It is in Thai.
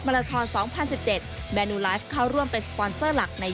มาราทรสองพันสิบเจ็ดแมนูไลฟ์เขาร่วมเป็นสปอนเซอร์หลักใน